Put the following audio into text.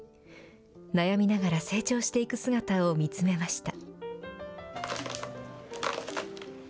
悩みながら成長していく姿を見つめました。